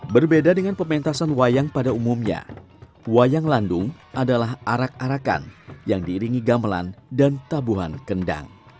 berbeda dengan pementasan wayang pada umumnya wayang landung adalah arak arakan yang diiringi gamelan dan tabuhan kendang